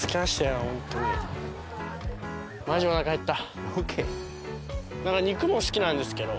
マジおなか減った。